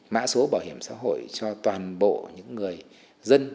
mã số bảo hiểm xã hội cho toàn bộ những người dân